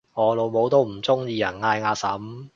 我老母都唔鍾意人嗌阿嬸